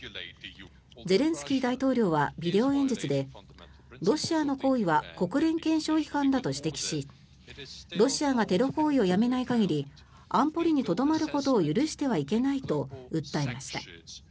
ゼレンスキー大統領はビデオ演説でロシアの行為は国連憲章違反だと指摘しロシアがテロ行為をやめない限り安保理にとどまることを許してはいけないと訴えました。